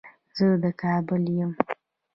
زه د کابل يم